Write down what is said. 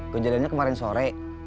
kejadiannya kemarin sore